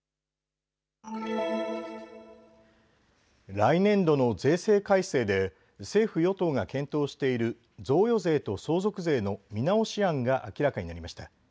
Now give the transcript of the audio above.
来年度の税制改正で政府与党が検討している贈与税と相続税の見直し案が明らかになりました。